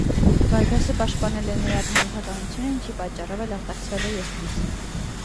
Վարգասը պաշտպանել է նրա քաղաքականությունը, ինչի պատճառով էլ արտաքսվել է երկրից։